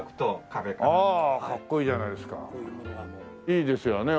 いいですよね